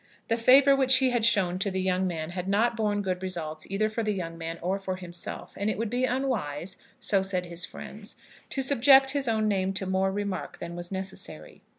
The favour which he had shown to the young man had not borne good results either for the young man or for himself; and it would be unwise, so said his friends, to subject his own name to more remark than was necessary.